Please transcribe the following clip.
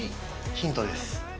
ヒントです。